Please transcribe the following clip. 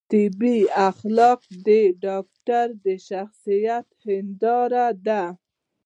طبي اخلاق د ډاکتر د شخصیت هنداره ده